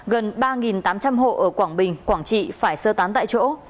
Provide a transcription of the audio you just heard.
gần ba tám trăm linh hộ ở quảng bình quảng trị phải sơ tán tại chỗ